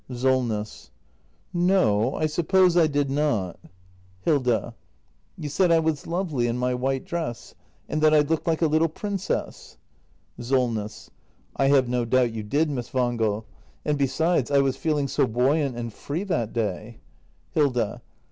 Solness. No, I suppose I did not. act i] THE MASTER BUILDER 301 Hilda. You said I was lovely in my white dress, and that I looked like a little princess. SOLNESS. I have no doubt you did, Miss Wangel. — And besides — I was feeling so buoyant and free that day Hilda.